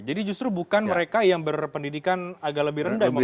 jadi itu adalah isu pki yang berpendidikan agak lebih rendah memakan isu ini